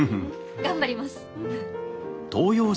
頑張ります。